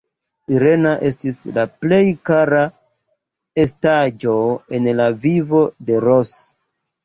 Irena estis la plej kara estaĵo en la vivo de Ros.